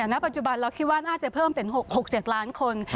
ณปัจจุบันเราคิดว่าน่าจะเพิ่มเป็น๖๗ล้านคน